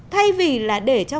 thay vì là để cho